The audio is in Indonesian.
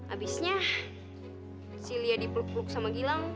abisnya si lia dipeluk peluk sama gilang